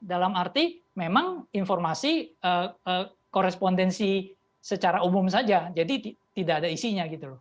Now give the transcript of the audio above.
dalam arti memang informasi korespondensi secara umum saja jadi tidak ada isinya gitu loh